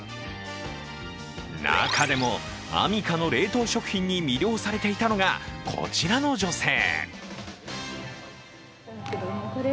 中でもアミカの冷凍食品に魅了されていたのが、こちらの女性。